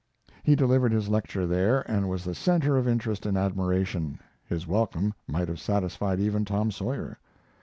He delivered his lecture there, and was the center of interest and admiration his welcome might have satisfied even Tom Sawyer.